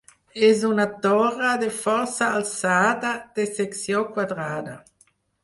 És una torre de força alçada, de secció quadrada.